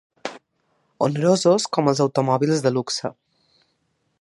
Onerosos com els automòbils de luxe.